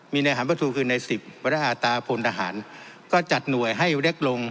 มีในอาตราพลนอาหารก็จัดหน่วยให้เล็กลง